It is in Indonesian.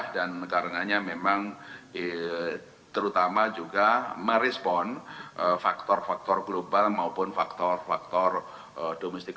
dan karena itu terutama juga merespon faktor faktor global maupun faktor faktor domestik